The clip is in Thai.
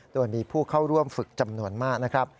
โดยมีผู้เข้าร่วมฝึกจำนวนมากนะครับ